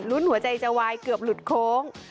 หัวใจจะวายเกือบหลุดโค้ง